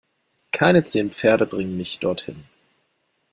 Keine zehn Pferde bringen mich dorthin!